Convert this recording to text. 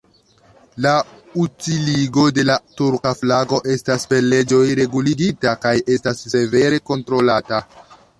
La utiligo de la turka flago estas per leĝoj reguligita kaj estas severe kontrolata.